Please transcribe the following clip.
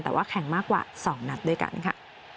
แต่ว่าแข่งมากกว่า๒นัดด้วยกันค่ะ